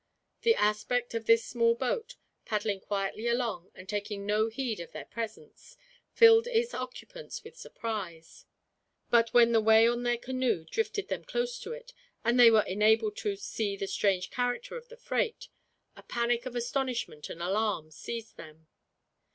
The aspect of this small boat, paddling quietly along and taking no heed of their presence, filled its occupants with surprise. But when the way on their canoe drifted them close to it, and they were enabled to see the strange character of the freight, a panic of astonishment and alarm seized them.